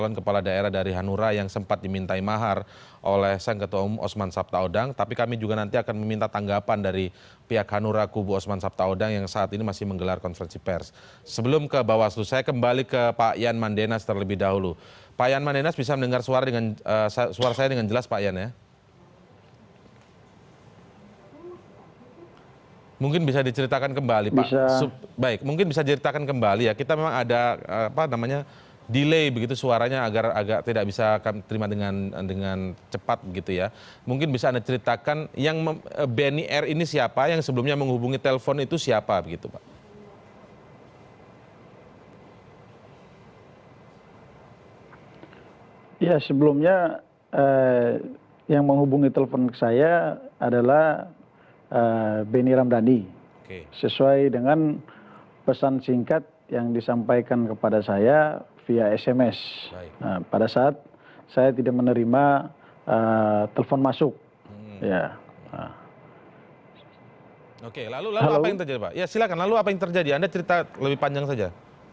oke lalu apa yang terjadi pak silahkan lalu apa yang terjadi anda cerita lebih panjang saja